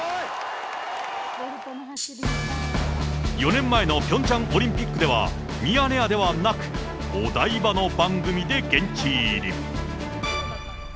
４年前のピョンチャンオリンピックでは、ミヤネ屋ではなく、お台場の番組で現地入り。